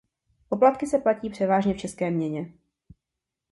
Poplatky se platí převážně v české měně.